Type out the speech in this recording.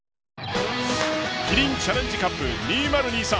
キリンチャレンジカップ２０２３